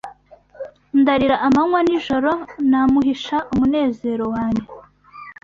Ndarira amanywa n'ijoro, Namuhisha umunezero wanjye